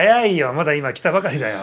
まだ今来たばかりだよ。